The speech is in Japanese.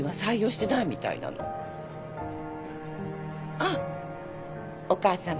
あっお母さま